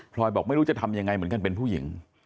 บอกไม่รู้จะทำยังไงเหมือนกันเป็นผู้หญิง